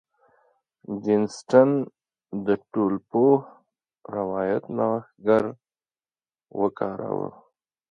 جین اسټن د ټولپوه روایت نوښتګر وکاراوه.